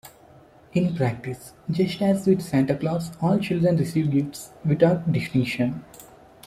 In practice, just as with Santa Claus, all children receive gifts without distinction.